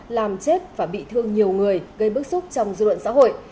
làm chết và bị thương nhiều người gây bức xúc trong dư luận xã hội